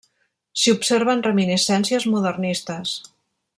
S'hi observen reminiscències modernistes.